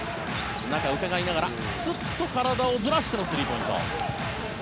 中、うかがいながらスッと体をずらしてのスリーポイント。